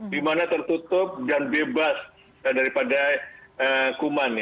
di mana tertutup dan bebas daripada kuman